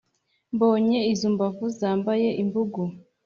mbonye izo mbavu zambaye imbugu